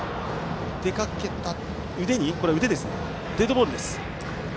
デッドボールです。